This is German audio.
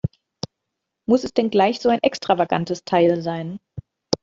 Muss es denn gleich so ein extravagantes Teil sein?